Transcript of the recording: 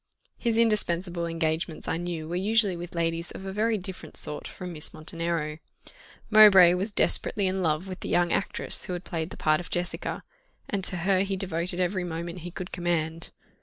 His indispensable engagements I knew were usually with ladies of a very different sort from Miss Montenero. Mowbray was desperately in love with the young actress who had played the part of Jessica, and to her he devoted every moment he could command.